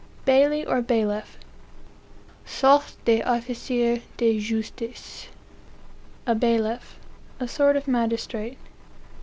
"Baili, or Bailiff. (Sorte d'officier de justice.) A bailiff; a sort of magistrate."